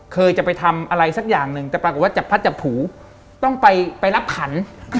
เคยจะไปทำอะไรสักอย่างหนึ่งแต่ปรากฏว่าจับพัดจับผูต้องไปรับขัน